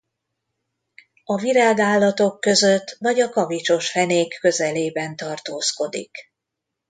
A virágállatok között vagy a kavicsos fenék közelében tartózkodik.